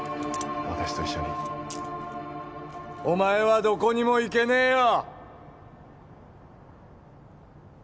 私と一緒にお前はどこにも行けねえよ